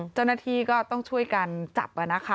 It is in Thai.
เจ้าหน้าที่ก็ต้องช่วยกันจับนะคะ